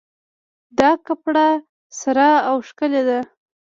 دا کپړه سره او ښکلې ده